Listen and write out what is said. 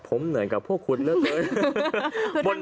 ผมเหนื่อยกับพวกคุณเหลือเกิน